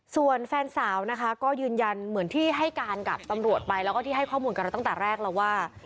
ส่วนแฟนสาวนะคะก็ยืนยันเหมือนที่ให้การกับตำรวจไปแล้วก็ที่ให้ข้อมูลกับเราตั้งแต่แรกแล้วว่า